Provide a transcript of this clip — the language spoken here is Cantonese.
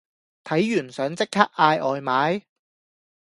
睇完想即刻嗌外賣？